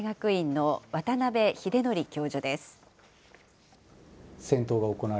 東京大学大学院の渡邉英徳教授です。